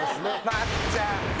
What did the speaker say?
まっちゃん。